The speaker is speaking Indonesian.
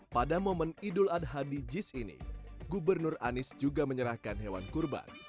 pada momen idul ad hadijis ini gubernur anis juga menyerahkan hewan kurban